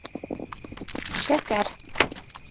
Шәкәр.